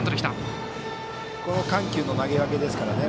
この緩急の投げ分けですかね。